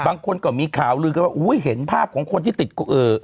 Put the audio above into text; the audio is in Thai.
ก็มีข่าวลือกันว่าอุ้ยเห็นภาพของคนที่ติดเอ่อ